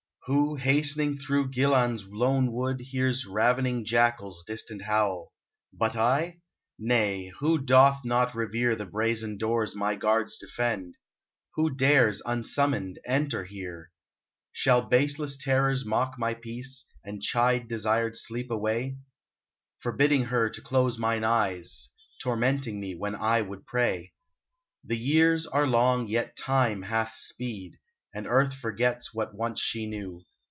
Who hast'ning through Ghilan's lone wood. Hears ravening jackals distant howl, — But I ? Nay, who doth not revere The brazen doors my guards defend ? Who dares, unsummoned, enter here ? 102 UNBIDDEN Shall baseless terrors mock my peace, And chide desired Sleep away ? Forbidding her to close mine eyes, Tormenting me when I would pray ? The years are long ; yet time hath sped, And Earth forgets what once she knew.